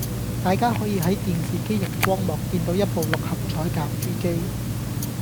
大家可以喺電視機營光幕見到一部六合彩攪珠機